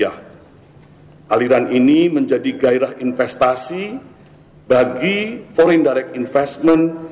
aliran ini menjadi gairah investasi bagi foreign direct investment